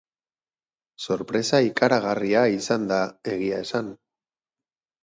Sorpresa ikaragarria izan da, egia esan.